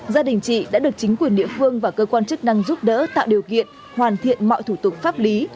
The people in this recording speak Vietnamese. gia đình chị đã được chính quyền địa phương và cơ quan chức năng giúp đỡ tạo điều kiện hoàn thiện mọi thủ tục pháp lý